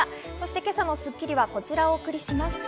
今朝の『スッキリ』はこちらをお送りします。